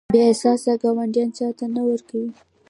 بې احساسه ګاونډیان چاته نه ورکوي.